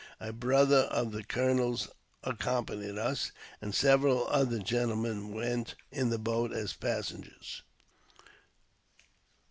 A brother of the colonel's accompanied us, and several other gentlemen went in the boat as passengers.